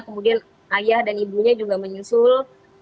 kemudian ayah dan ibunya juga menyusul